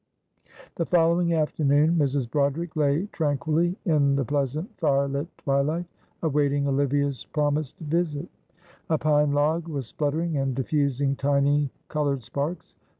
The following afternoon Mrs. Broderick lay tranquilly in the pleasant fire lit twilight, awaiting Olivia's promised visit. A pine log was spluttering and diffusing tiny coloured sparks.